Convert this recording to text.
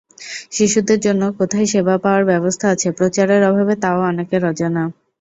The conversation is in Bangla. শিশুদের জন্য কোথায় সেবা পাওয়ার ব্যবস্থা আছে, প্রচারের অভাবে তা-ও অনেকের অজানা।